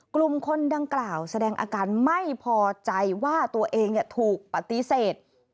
กลุ่มคนดังกล่าวแสดงอาการไม่พอใจว่าตัวเองถูกปฏิเสธ